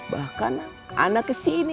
bahkan saya ke sini